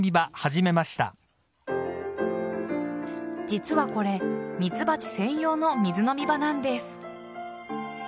実はこれミツバチ専用の水飲み場なんです。